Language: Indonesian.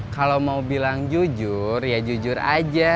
kalau mau bilang jujur ya jujur aja